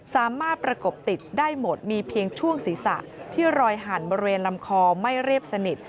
ประกบติดได้หมดมีเพียงช่วงศีรษะที่รอยหั่นบริเวณลำคอไม่เรียบสนิท